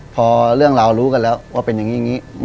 พอเรื่องราวรู้กันแล้วว่าเป็นอย่างนี้